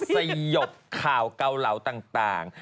สยบข่าวเกาเหลาต่าง